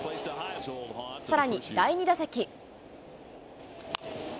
さらに第２打席。